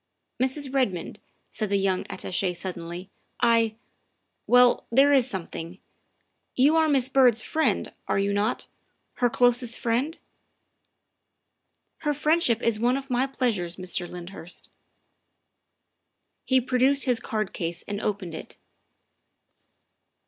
" Mrs. Redmond," said the young Attache suddenly, " I well, there is something else. You are Miss Byrd's friend, are you not her closest friend?" " Her friendship is one of my pleasures, Mr. Lynd hurst." He produced his card case and opened it.